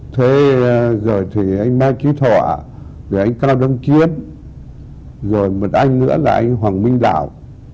thế rồi thì anh mai trí thọ rồi anh cao đông chiến rồi một anh nữa là anh hoàng minh đạo